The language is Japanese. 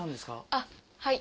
あっはい。